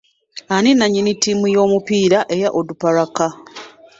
Ani nannyini ttiimu y'omupiira eya Onduparaka?